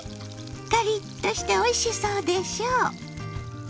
カリッとしておいしそうでしょ！